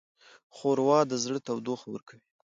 ښوروا د زړه تودوخه ورکوي.